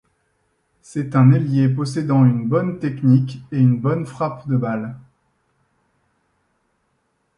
C'est un ailier possédant une bonne technique et une bonne frappe de balle.